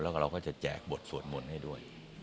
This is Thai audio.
แล้วก็เราก็จะแจกบทสวดมนต์ให้ด้วย